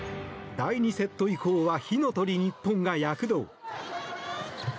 第２セット以降は火の鳥ＮＩＰＰＯＮが躍動。